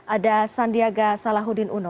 ada sandiaga salahuddin uno